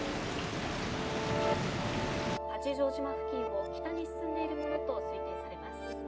八丈島付近を北に進んでいるものと推定されます。